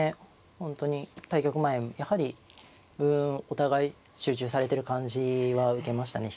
本当に対局前やはりうんお互い集中されてる感じは受けましたね。